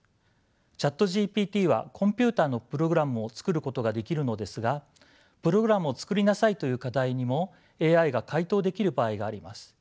ＣｈａｔＧＰＴはコンピューターのプログラムを作ることができるのですがプログラムを作りなさいという課題にもＡＩが回答できる場合があります。